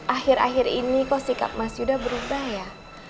akhir akhir ini kok sikap mas yuda berubah ya